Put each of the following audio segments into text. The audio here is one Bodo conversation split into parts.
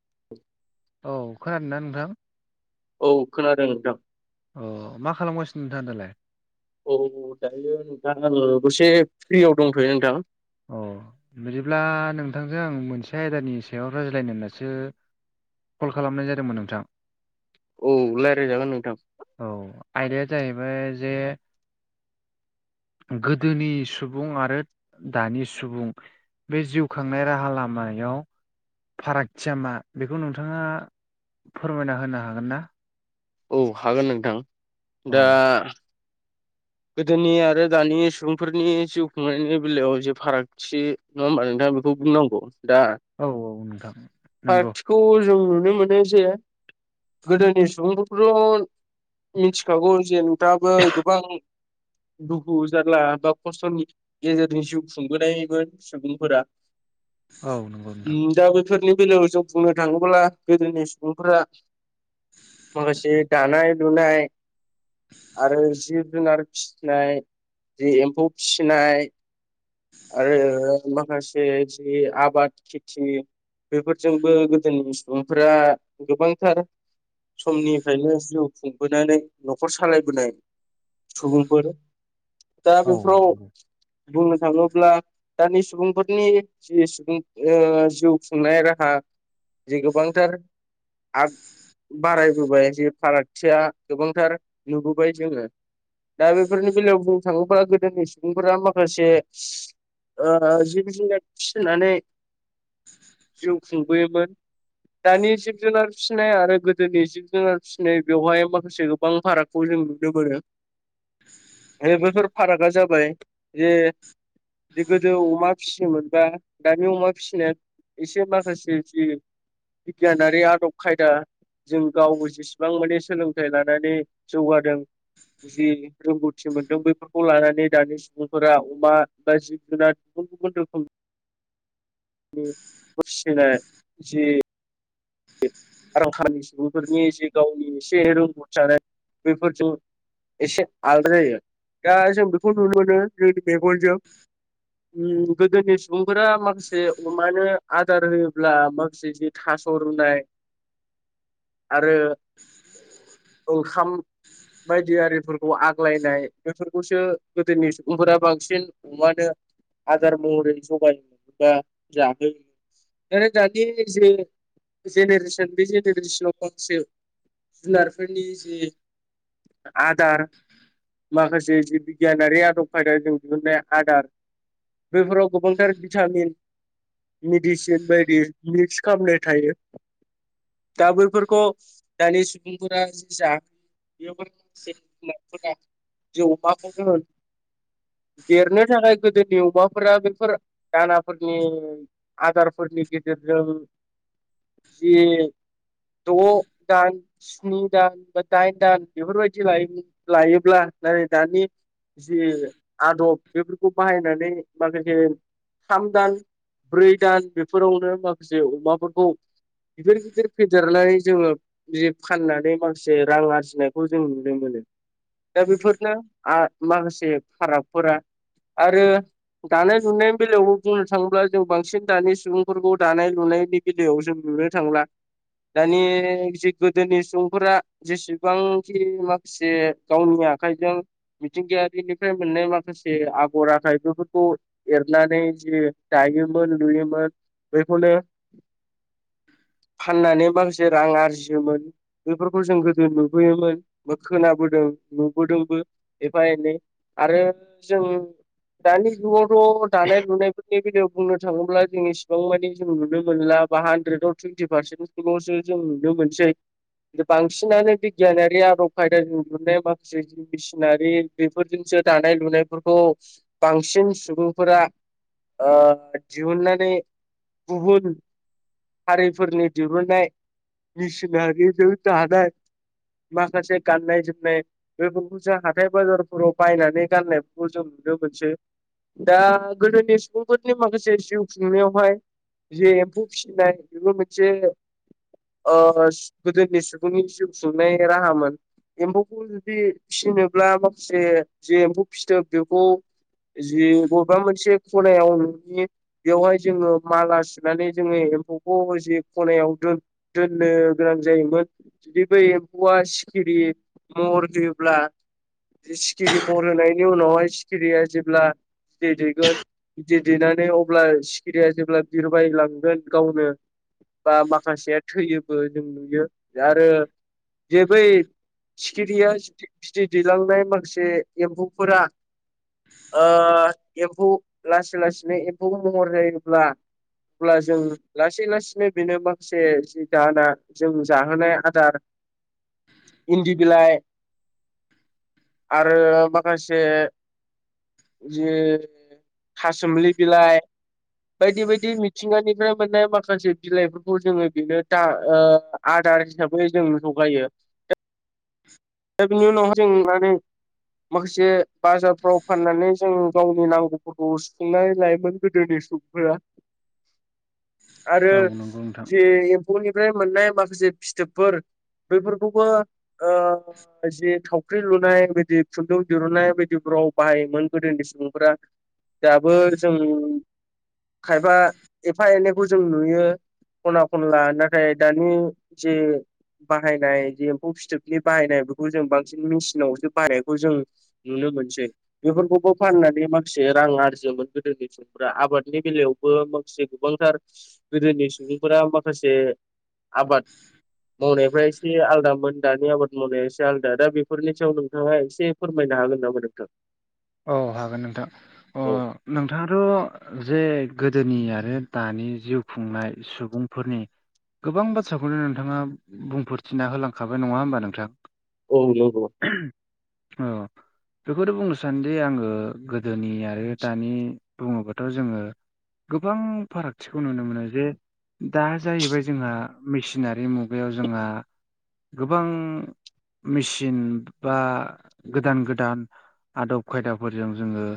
[inaudible] औ खोनादों ना नोंथां? औ खोनादों नोंथां। अ मा खालामगासिनो नोंथांआ दालाय? औ दायो नोंथां आङो दसे फ्रियाव दंथ'यो नोंथां। अ बिदिब्ला नोंथांजों आं मोनसे आयदानि सायाव रायज्लायनो होन्नासो कल खालामनाय जादोंमोन नोंथां। औ रायजागोन नोंथां औ आयदाया जाहैबाय जे गोदोनि सुबुं आरो दानि सुबुं बे जिउ खांनाय राहा लामायाव फारागथिया मा बेखौ नोंथाङा फोरमायना होनो हागोन ना? औ हागोन नोंथां औ दा गोदोनि आरो दानि सुबुंफोरनि जिउ खुंनायनि बेलायाव जे फाराग थि नङा होमबा नोंथा बेखौ बुंनांगौ दा औ औ नोंथां नंगौ बेखौ जों नुनो मोनो जे गोदोनि सुबुंफोरखौ मिथिखागौ जे नोंथाङाबो गोबां दुखु जारला बा खस्थ'नि गेजेरनि जिउ खुंबोनायमोन सुबुंफोरा औ नंगौ नोंथां दा बेफोरनि बेलायाव जों बुंनो थाङोब्ला गोदोनि सुबुंफोरा माखासे दानाय लुनाय आरो जिब जुनार फिनाय जि एम्फौ फिनाय आरो माखासे जि आबाद खेथि। बेफोरजोंबो गोदोनि सुबुंफोरा गोबांथार। समनिफ्रायनो जिउ खुंबोनानै न'खर सालायबोनाय। सुबुंफोर दा औ बेफोराव नंगौ बुंनो थाङोब्ला दानि सुबुंफोरनि जि सुबुं ओ जिउ खुंनाय राहा जि गोबांथार। आग बारायबोबाय जे फारागथिया गोबांथार नुबोबाय जोङो दा बेफोरनि बेलायाव बुंनो थाङोब्ला गोदोनि सुबुंफोरा माखासे ओ जिब जुनार फिनानै जिउ खुंबोयोमोन। दानि जिब जुनार फिनाय आरो गोदोनि जिब जुनार फिनाय बेवहाय माखासे गोबां फाराग। खौ जों नुनो मोनो। दायो बेफोर फारागा जाबाय जे गोदो अमा फियोमोनबा दानि अमा फिनाया एसे माखासे जि बिगियानारि आदब खायदा। जों गावबो जेसेबां माने सोलोंथाइ लानानै जौगादों। जि रोंगौथि मोनदों बैफोरखौ लानानै दानि सुबुंफोरा अमा बा जिब जुनार [unintelligible] [unintelligible] [unintelligible] सुबुंफोरनि जे गावनि एसे रोंगौथि नाय बेफोरजों एसे आलदा जायो दा जों बेखौ नुनो मोनो जोंनि बेंगलजों गोदोनि सुबुंफोरा माखासे अमानो आदार होयोब्ला माखासे थास' रुनाय। आरो ओंखाम बायदि आरिफोरखौ आग्लायनाय बेफोरखौसो गोदोनि सुबुंफोरा बांसिन। अमानो आदार महरै जगायो बा जाहोयो। [unintelligible] जेनेरेसन बे जेनेरेसनाव गांसे जुनारफोरनि जे आदार माखासे जि बिगियानारि आदब खायदा जों दिहुननाय आदार। बेफोराव गोबांथार भिटामिन। मेडिसिन बायदि मिक्स खालामनाय थायो। दा बैफोरखौ दानि सुबुंफोरा जि जा [inaudible] [unintelligible] देरनो थाखाय गोदोनि अमाफोरा बेफोर दानाफोरनि आदारफोरनि गेजेरजों जि द' दान स्नि दान बा दाइन दान बेफोरबायदि [unintelligible] लायोब्ला नै दानि जि आदब बेफोरखौ बाहायनानै माखासे थाम दान ब्रै दान बेफोरावनो माखासे अमाफोरखौ गिदिर गिदिर फेदेरलाय जोङो जिब फाननानै माखासे रां आरजिनायखौ जों नुनो मोनो। दा बेफोरनो आ माखासे फारागफोरा आरो दानाय लुनायनि बेलायावबो बुंनो थाङोब्ला जों बांसिन दानि सुबुंफोरखौ दानाय लुनायनि दैयाव जों नुनो थांला दानि जे गोदोनि सुबुंफोरा जेसेबांखि माखासे गावनि आखाइजों मिथिंगायारिनिफ्राय मोननाय माखासे आगर आखाय बेफोरखौ एरनानै जि दायोमोन लुयोमोन बैखौनो फाननानै माखासे रां आरजियोमोन। बेफोरखौ जों गोदो नुबोयोमोन बा खोनाबोदों नुबोदोंबो एफा एनै। आरो जों दानि जुगावथ' दानाय लुनाय बेनि बेलायाव बुंनो थाङोब्ला जों इसेबां मानि जों नुनो मोनला। बा हानद्रेदाव टुइन्टि पारसेन्टखौल'सो जों नुनो मोनसै। बांसिनानो बिगियानारि आरब खायदाजों नुनाय माखासे मेसिनारि बेफोरजोंसो दानाय लुनायफोरखौ बांसिन सुबुंफोरा ओ दिहुननानै गुबुन हारिफोरनि दिहुननाय मेसिनारिजों दानाय मााखासे गाननाय जोमनाय बेफोरखौ जों हाथाय बाजारफोराव बायनानै गाननायफोरखौ जों नुनो मोनसै। दा गोदोनि सुबुंफोरनि माखासे जिउ खुंनायावहाय जे एम्फौ बेबो मोनसे ओ गोदोनि सुबुंनि जिउ सुंनाय राहामोन। एम्फौखौ जुदि फिनोब्ला माखासे जे एम्फौ फिथोब बेखौ जि बबेबा मोनसे खनायावनि बेवहाय जोङो माला सुनानै जोङो एम्फौखौ जि खनायाव दोननो गोनां जायोमोन। जुदि बै एम्फौआ सिखिरि महर होयोब्ला सिखिरि महर होनायनि उनावहाय सिखिरिया जेब्ला बिदै दैेगोन बिदै दैनानै अब्ला सिखिरिया जेब्ला बिरबाय लांगोन गावनो। बा माखासेया थैयोबो जों नुयो आरो जे बै सिखिरिया गिदिर दैलांनाय माखासे एम्फौफोरा ओ एम्फौ लासै लासैनो एम्फौ महर जायोब्ला अब्ला जों लासै लासैनो बेनो माखासे जि दाना जों जाहोनाय आदार इन्दि बिलाइ आरो माखासे जि थासुमलि बिलाइ बायदि बायदि मिथिंगानिफ्राय मोननाय माखासे बिलाइफोरखौ जोङो बेनो दा आदार हिसाबै जों जगायो [inaudible] दा बिनि उनावहाय जों माने [inaudible] माखासे बाजारफ्राव फाननानै जों गावनि नांगौफोरखौ सुफुंनानै लायोमोन गोदोनि सम [unintelligible] [inaudible] आरो औ नंगौ नोंथां जे एम फौनिफ्राय मोननाय माखासे फिथोबफोर बैफोरखौबो ओ जि थावख्रि लुनाय बिदि खुन्दुं दिरुनाय बिबायदिफ्राव बाहायोमोन गोदोनि सुबुंफोरा। दाबो जों खायबा एफा एनैखौ जों नुयो। खना खनला नाथाय दानि जि बाहायनाय जि एम्फौ फिथोबनि बाहायनाय बेखौ जों बांसिन मेसिनावसो बाहायनायखौ जों नुनो मोनसै बेफोरखौबो फाननानै माखासे रां आरजियोमोन गोदोनि समाव। आबादनि बेलायावबो माखासे गोबांथार गोदोनि सुबुंफोरा माखासे आबाद मावनायफ्रा एसे आलदामोन दानि आबाद मावनाया एसे आलदा। दा बेफोरनि सायाव नोंथाङा एसे फोरमायनो हागोन नामा नोंथां? औ हागोन नोंथां। औ अ नोंथाङाथ' जे गोदोनि आरो दानि जिउ खुंनाय सुबुंफोरनि गोबां बाथ्राखौनो नोंथाङा बुंफोरथिना होलांखाबाय नङा होमबा नोंथां? औ औ बेखौथ' बुंनोसै दासान्दि आङो गोदोनि आरो दानि बुङोबाथ' जोङो गोबां फारागथिखौ नुनो मोनो जे दा जाहैबाय जोंहा मेसिनारि मुगायाव जोंहा गोबां मेसििन बा गोदान गोदान आदब खायदाफोरजों जोङो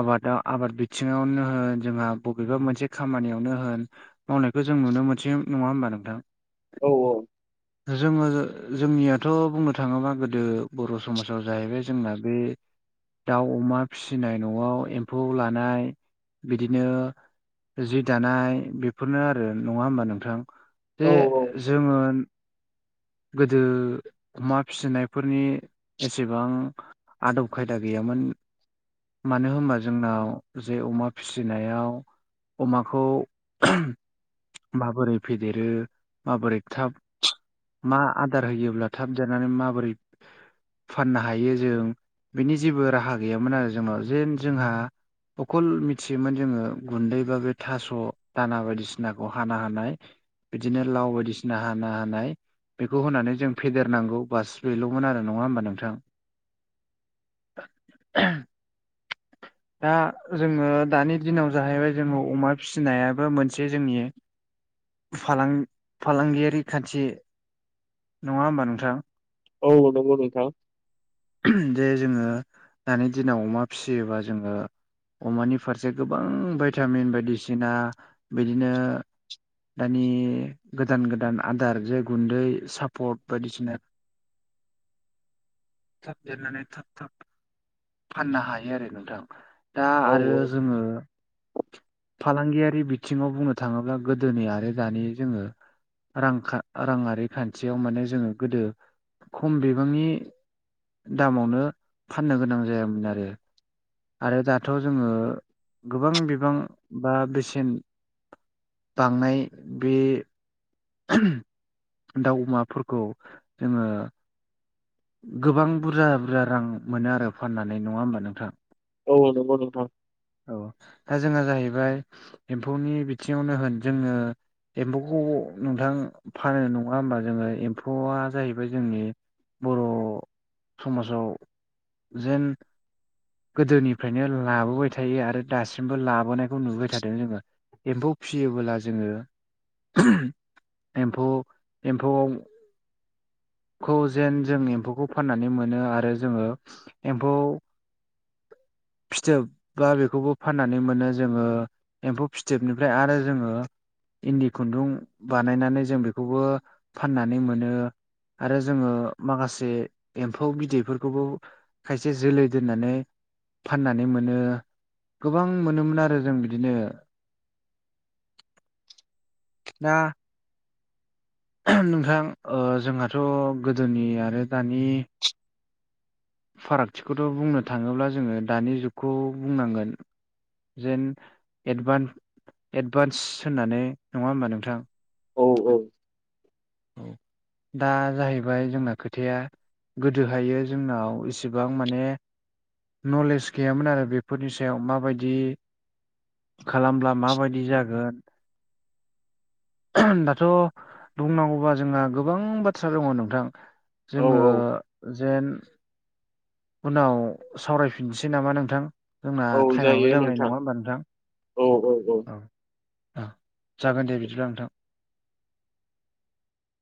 आबादाव आबाद बिथिङावनो होन जोंहा बबेबा मोनसे खामानियावनो होन मावनायखौ जों नुनो मोनसै नङा होमबा नोंथां औ औ जोङो जोंनियाथ' बुंनो थाङोबा गोदो बर' समाजाव जाहैबाय जोंना बे दाउ अमा फिसिनाय न'आव एम्फौ लानाय बिदिनो जि दानाय बेफोरनो आरो नङा होमबा नोंथां औ जे जोङो गोदो अमा फिसिनायफोरनि एसेबां आदब खायदा गैयामोन मानो होनबा जोंनाव जे अमा फिसिनायाव अमाखौ माबोरै फेदेरो माबोरै थाब मा आदार होयोब्ला थाब जानानै माबोरै फाननो हायो जों बिनि जेबो राहा गैयामोन आरो जोंनाव जेन जोंहा। अखल मिथियोमोन जोङो गुन्दैबा बे थास' दाना बायदिसिनाखौ हाना हानाय। बिदिनो लाव बायदिसिना हाना हानाय बेखौ होनानै जों फेदेरनांगौ बास बेल'मोन आरो नङा होमबा नोंथां [inaudible] दा जोङो दानि दिनाव जाहैबाय जोङो अमा फिसिनायाबो मोनसे जोंनि फालांगियारि खान्थि नङा होमबा नोंथा औ नंगौ नोंथां जे जोङो दानि दिनाव अमा फिसियोबा जोङो अमानि फारसे गोबां भायटामिन बायदिसिना बिदिनो दानि गोदान गोदान आदार जे गुन्दै सापर्ट बायदिसिना थाब देरनानै थाब थाब फाननो हायो आरो नोंथां दा औ आरो औ जोङो फालांगियारि बिथिङाव बुंनो थाङोब्ला गोदोनि आरो दानि जोङो रां राङरारि खान्थियाव माने जोङो गोदो खम बिबांनि दामावनो फाननो गोनां जायामोन आरो आरो दाथ' जोङो गोबां बिबां बा बेसेन बांनाय बे दाउ अमाफोरखौ जोङो गोबां बुरजा बुरजा रां मोनो आरो फाननानै नङा होमबा नोंथां औ नंगौ नोंथां। औ दा जोंहा जाहैबाय एम्फौनि बिथिङावनो होन जोङो। एम्फौखौ नोंथां फानो नङा होमबा जोङो एम्फौआ जाहैबाय जोंनि बर' समाजाव जेन गोदोनिफ्रायनो लाबोबाय थायो आरो दासिमबो लाबोनायखौ नुबाय थादों जोङो। एम्फौ फिसियोबोला जोङो एम्फौ एम्फौआव खौ जेन जों एम्फौखौ फाननानै मोनो आरो जोङो एम्फौ। फिथोब बा बेखौबो फाननानै मोनो जोङो। एम्फौ फिथोबनिफ्राय आरो जोङो। इन्दि खुन्दुं बानायनानै जों बेखौबो फाननानै मोनो। आरो जोङो माखासे एम्फौ बिदैफोरखौबो खायसे जोलै दोननानै फाननानै मोनो। गोबां मोनोमोन आरो जों बिदिनो। ना नोंथां ओ जोंहाथ' गोदोनि आरो दानि [inaudible] फारागथिखौथ' बुंनो थाङोब्ला जोङो दानि जुगखौ बुंनांगोन। जेन एडभान एडभान्स होननानै नङा होमबा नोंथां। औ औ। औ दा जाहैबाय जोंना खोथाया गोदोहायो जोंनाव इसेबां माने नलेज गैयामोन आरो बेफोरनि सायाव माबायदि खालामब्ला माबायदि जागोन। दाथ' बुंनांगौ वा जोंहा गोबां बाथ्रा दङ नोंथां औ जोङो औ जेन उनाव सावरायफिनसै नामा नोंथां। जोंना औ टाइमाबो जायो जाबाय नोंथां नङा होमबा नोंथां औ। ओ जागोन दे बिदिब्ला नोंथां।